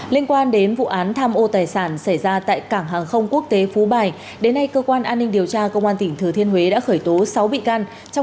liên quan đến vụ án tham ô tài sản xảy ra tại cảng hàng không quốc tế phú bài đến nay cơ quan an ninh điều tra công an tỉnh thừa thiên huế đã khởi tố sáu bị can